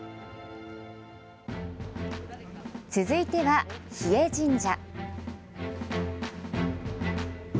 続いては、日枝神社。